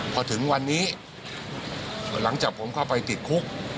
พอถึงวันนี้หลังจากผมเข้าไปติดคุก